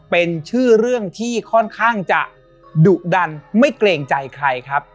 เป็นชื่อเรื่องที่ค่อนข้างจะดุดันไม่เกรงใจใครครับ